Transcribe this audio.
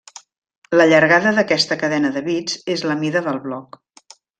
La llargada d'aquesta cadena de bits és la mida del bloc.